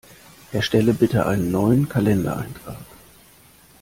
Erstelle bitte einen neuen Kalendereintrag!